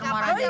masak ruara aja